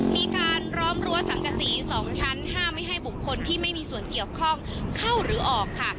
มีการล้อมรั้วสังกษี๒ชั้นห้ามไม่ให้บุคคลที่ไม่มีส่วนเกี่ยวข้องเข้าหรือออกค่ะ